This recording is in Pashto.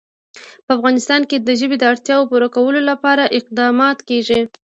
په افغانستان کې د ژبې د اړتیاوو پوره کولو لپاره اقدامات کېږي.